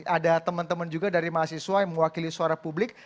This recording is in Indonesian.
ada teman teman juga dari mahasiswa yang mewakili suara publik